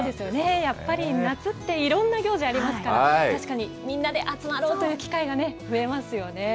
やっぱり夏っていろんな行事ありますから、確かにみんなで集まろうという機会が増えますよね。